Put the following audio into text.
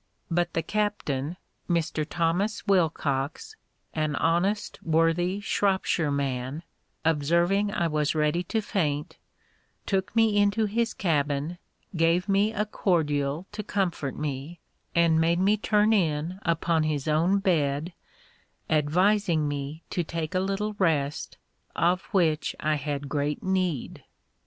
But the captain, Mr. Thomas Wilcocks, an honest worthy Shropshire man, observing I was ready to faint, took me into his cabin, gave me a cordial to comfort me, and made me turn in upon his own bed, advising me to take a little rest, of which I had great need.